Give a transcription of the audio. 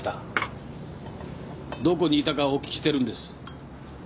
どこにいたかをお聞きしてるんです。